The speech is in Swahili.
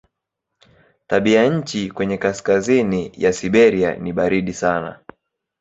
Tabianchi kwenye kaskazini ya Siberia ni baridi sana.